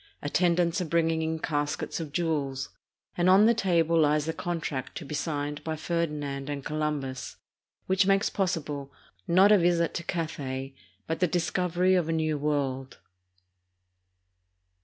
Attendants are bringing in caskets of jewels, and on the table lies the contract to be signed by Ferdinand and Colum bus which makes possible, not a visit to Cathay, but the discovery of a New World.